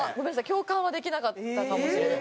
共感はできなかったかもしれない。